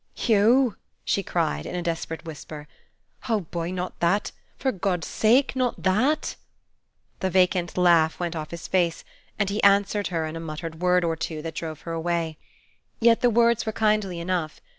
"Hugh!" she cried, in a desperate whisper, "oh, boy, not that! for God's sake, not that!" The vacant laugh went off his face, and he answered her in a muttered word or two that drove her away. Yet the words were kindly enough.